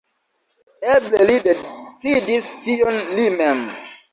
Eble li decidis tion li mem.